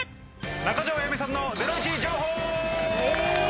中条あやみさんのゼロイチ情